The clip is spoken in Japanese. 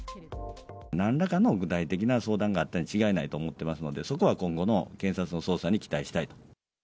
なんらかの具体的な相談があったに違いないと思ってますので、そこは今後の検察の捜査に期待したい。